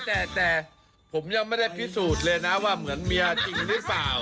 แต่ผมยังไม่ได้พิสูจน์เลยนะว่าเหมือนเมียจริงหรือเปล่า